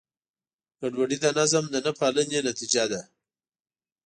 ګډوډي د نظم د نهپالنې نتیجه ده.